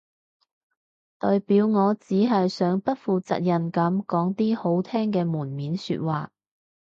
代表我只係想不負責任噉講啲好聽嘅門面說話